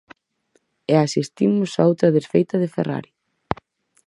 E asistimos a outra desfeita de Ferrari.